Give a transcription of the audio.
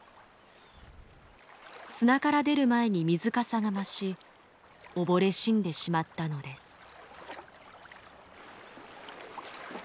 砂から出る前に水かさが増し溺れ死んでしまったのです。